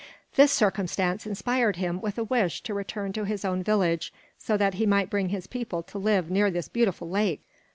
This circumstance inspired him with a wish to return to his own village, so that he might bring his people to live near this beautiful lake.